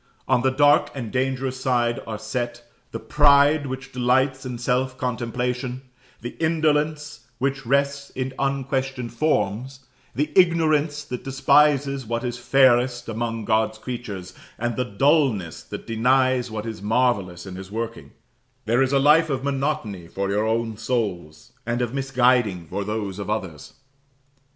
On the dark and dangerous side are set, the pride which delights in self contemplation the indolence which rests in unquestioned forms the ignorance that despises what is fairest among God's creatures, and the dulness that denies what is marvellous in His working: there is a life of monotony for your own souls, and of misguiding for those of others.